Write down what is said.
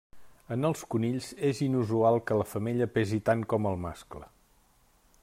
En els conills és inusual que la femella pesi tant com el mascle.